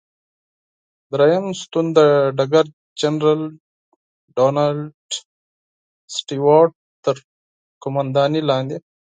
دریم ستون د ډګر جنرال ډانلډ سټیوارټ تر قوماندې لاندې.